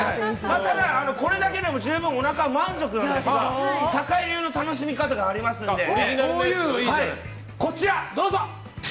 ただ、これだけでも十分おなかは満足なんですが酒井流の楽しみ方がありますのでこちら、どうぞ！